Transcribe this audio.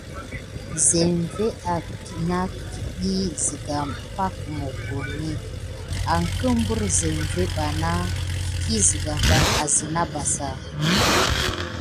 Zeŋvé iki na siga pak mokoni angəprire zeŋvé bana ki siga va asina basa bar.